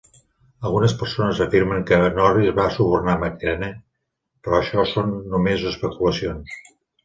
Algunes persones afirmen que Norris va subornar McKenna, però això són només especulacions.